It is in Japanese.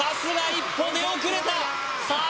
一歩出遅れたさあ